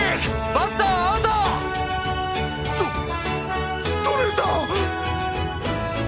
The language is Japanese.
バッターアウト！と捕れたぁ！